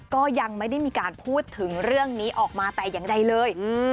ก็ยังไม่ได้มีการพูดถึงเรื่องนี้ออกมาแต่อย่างใดเลย